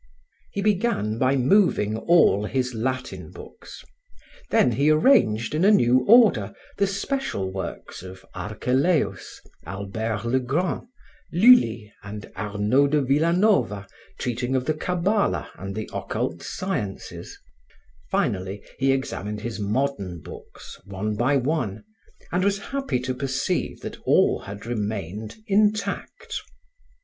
He began by moving all his Latin books; then he arranged in a new order the special works of Archelaus, Albert le Grand, Lully and Arnaud de Villanova treating of cabbala and the occult sciences; finally he examined his modern books, one by one, and was happy to perceive that all had remained intact.